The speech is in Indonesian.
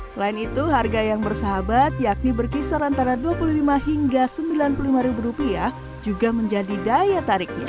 selain itu harga yang bersahabat yakni berkisar antara rp dua puluh lima hingga rp sembilan puluh lima juga menjadi daya tariknya